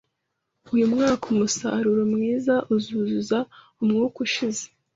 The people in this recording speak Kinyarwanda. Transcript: Uyu mwaka umusaruro mwiza uzuzuza uwumwaka ushize.